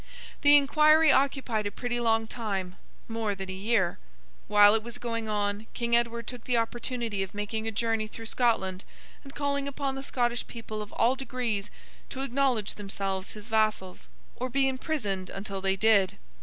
The inquiry occupied a pretty long time—more than a year. While it was going on, King Edward took the opportunity of making a journey through Scotland, and calling upon the Scottish people of all degrees to acknowledge themselves his vassals, or be imprisoned until they did.